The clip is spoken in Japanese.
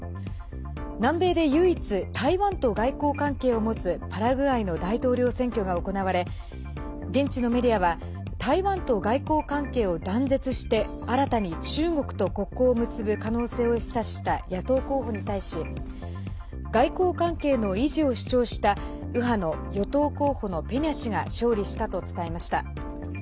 南米で唯一台湾と外交関係を持つパラグアイの大統領選挙が行われ現地のメディアは台湾と外交関係を断絶して新たに中国と国交を結ぶ可能性を示唆した野党候補に対し外交関係の維持を主張した右派の与党候補のペニャ氏が勝利したと伝えました。